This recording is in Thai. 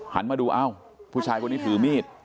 มาดูเอ้าผู้ชายคนนี้ถือมีด